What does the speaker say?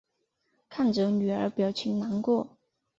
看着女儿表情难过